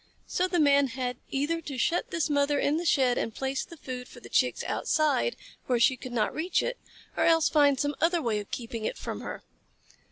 So the Man had either to shut this mother in the shed and place the food for the Chicks outside, where she could not reach it, or else find some other way of keeping it from her.